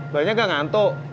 buatnya gak ngantuk